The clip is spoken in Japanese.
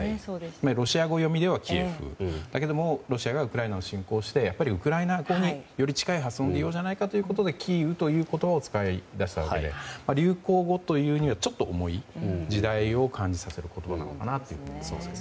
ロシア語読みではキエフだけどロシアがウクライナを侵攻してやっぱりウクライナ語により近い発音にしようじゃないかということでキーウという言葉を使い出したわけで流行語というには、ちょっと重い時代を感じさせる言葉かなと。